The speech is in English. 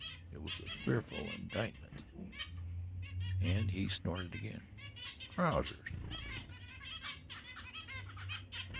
It was a fearful indictment, and he snorted again: "Trousers!"